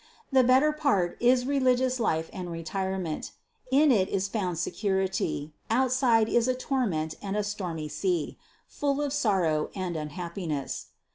The better part is religious life and retirement; in it is found security, outside is a tor ment and a stormy sea, full of sorrow and unhappiness.